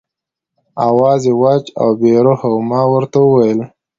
آواز یې وچ او بې روحه و، ما ورته وویل.